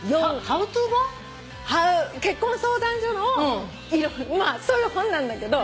ハウ結婚相談所のまあそういう本なんだけど。